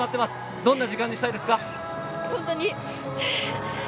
どんな時間にしたいですか？